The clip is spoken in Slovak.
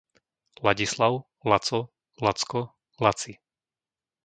Ladislav, Laco, Lacko, Laci